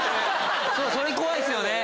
それ怖いっすよね。